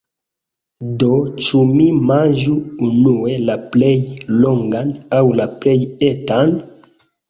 Do, ĉu mi manĝu unue la plej longan, aŭ la plej etan?